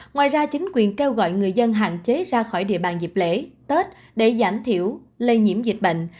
ngoài ra chính quyền kêu gọi người dân hạn chế ra khỏi địa bàn dịp lễ tết để giảm thiểu lây nhiễm dịch bệnh